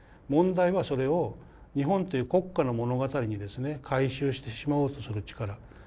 問題はそれを日本という国家の物語にですね回収してしまおうとする力。